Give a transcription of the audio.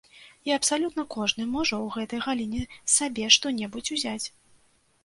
І абсалютна кожны можа ў гэтай галіне сабе што-небудзь узяць.